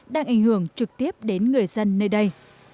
đang ảnh hưởng trực tiếp đến người dân nơi đây